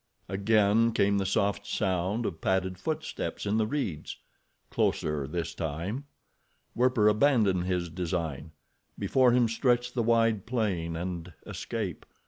Again came the soft sound of padded footsteps in the reeds—closer this time. Werper abandoned his design. Before him stretched the wide plain and escape.